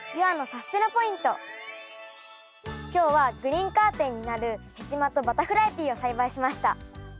今日はグリーンカーテンになるヘチマとバタフライピーを栽培しました。